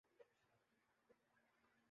مجھے یقین ہے کہ دوسروں نے غور کِیا ہے